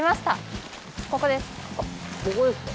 ここですか？